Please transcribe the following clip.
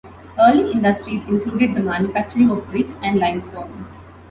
Early industries included the manufacturing of bricks and limestone.